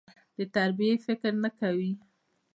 د تربيې فکر نه کوي.